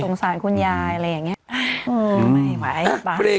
จะต้องสารคุณยายอะไรอย่างนี้